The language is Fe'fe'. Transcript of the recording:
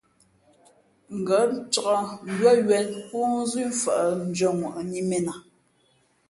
Ngα̌ ncāk mbʉ́ά ywēn póónzʉ̄ mfαʼ ndʉ̄ᾱŋwαni mēn a.